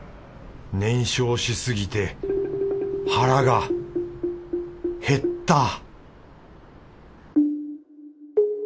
燃焼しすぎて腹が減った